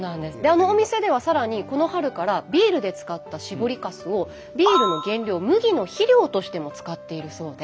あのお店ではさらにこの春からビールで使った搾りかすをビールの原料麦の肥料としても使っているそうで。